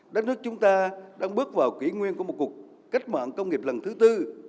đất nước chúng ta đang bước vào kỷ nguyên của một cuộc cách mạng công nghiệp lần thứ tư